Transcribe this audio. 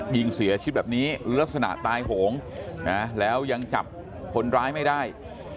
ยิงเสียชีวิตแบบนี้ลักษณะตายโหงนะแล้วยังจับคนร้ายไม่ได้